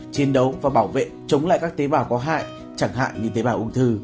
chiến đấu và bảo vệ chống lại các tế bào có hại chẳng hạn như tế bào ung thư